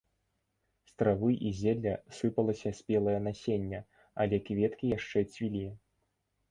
З травы і зелля сыпалася спелае насенне, але кветкі яшчэ цвілі.